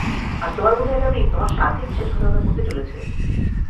আর তোমার বন্ধু Adam Reid তোমার সাথে বিশ্বাসঘাতকতা করতে চলেছে।